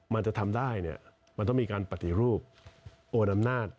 มันจะทำได้เนี่ยมันต้องมีการปฏิรูปโอนอำนาจ